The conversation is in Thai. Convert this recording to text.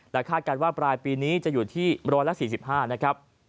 และค่าการว่าปลายปีนี้จะอยู่ที่๑๔๕บาท